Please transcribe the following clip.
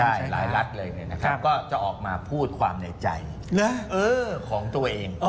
ใช่หลายรัฐเลยนะครับก็จะออกมาพูดความในใจของตัวเอง